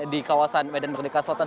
di kawasan medan merdeka selatan